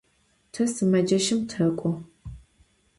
Te sımeceşım tek'o.